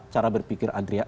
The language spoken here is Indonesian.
cara berpikir adria